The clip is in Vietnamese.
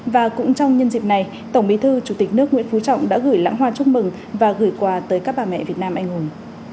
và cũng trong nhân dịp này tổng bí thư chủ tịch nước nguyễn phú trọng đã gửi lãng hoa chúc mừng và gửi quà tới các bà mẹ việt nam anh hùng